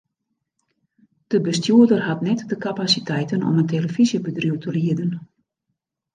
De bestjoerder hat net de kapasiteiten om in telefyzjebedriuw te lieden.